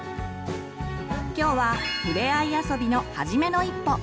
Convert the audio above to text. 今日はふれあい遊びのはじめの一歩。